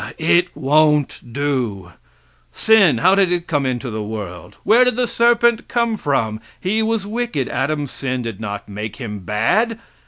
It won't do. Sin, how did it come into the world? Where did the serpent come from? He was wicked. Adam's sin did not make him bad.